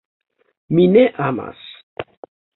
Mi ne amas.